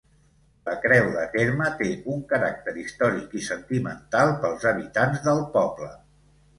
La creu de terme té un caràcter històric i sentimental pels habitants del poble.